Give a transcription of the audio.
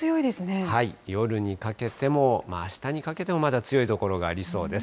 夜にかけても、あしたにかけても、まだ強い所がありそうです。